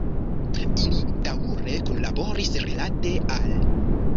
Ili daŭre kunlaboris rilate al.